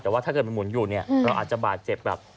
แต่ว่าถ้าเกิดมันหมุนอยู่เนี่ยเราอาจจะบาดเจ็บแบบ